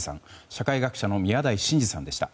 社会学者の宮台真司さんでした。